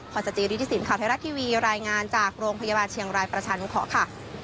สจิริฐศิลปข่าวไทยรัฐทีวีรายงานจากโรงพยาบาลเชียงรายประชานุเคราะห์ค่ะ